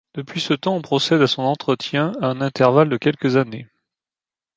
Depuis ce temps, on procède à son entretien à un intervalle de quelques années.